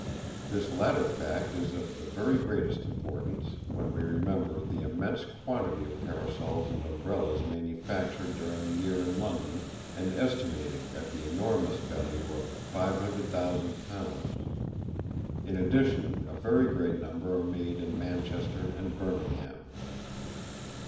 This latter fact is of the very greatest importance, when we remember the immense quantity of Parasols and Umbrellas manufactured during the year in London, and estimated at the enormous value of 500,000 Pounds. In addition, a very great number are made in Manchester and Birmingham.